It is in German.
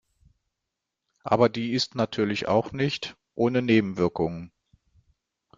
Aber die ist natürlich auch nicht ohne Nebenwirkungen.